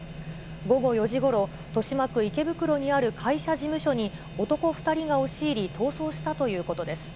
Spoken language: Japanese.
午後４時ごろ、豊島区池袋にある会社事務所に、男２人が押し入り、逃走したということです。